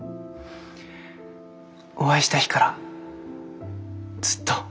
お会いした日からずっと。